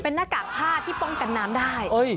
เป็นหน้ากากผ้าที่ป้องกันน้ำได้